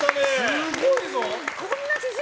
すごいぞ。